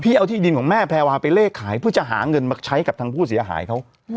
เอาที่ดินของแม่แพรวาไปเลขขายเพื่อจะหาเงินมาใช้กับทางผู้เสียหายเขา